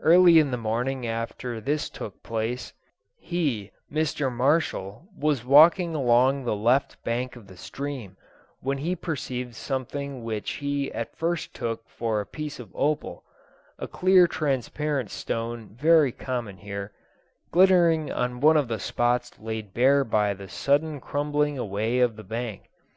Early in the morning after this took place, he (Mr. Marshall) was walking along the left bank of the stream, when he perceived something which he at first took for a piece of opal a clear transparent stone very common here glittering on one of the spots laid bare by the sudden crumbling away of the bank.